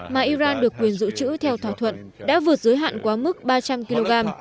mà iran được quyền dự trữ theo thỏa thuận đã vượt giới hạn quá mức ba trăm linh kg